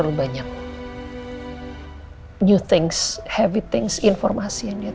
terlalu banyak new things havit things informasi yang dia